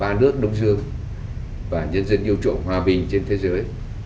ba nước đông dương và nhân dân yêu chuộng hòa bình trên thế giới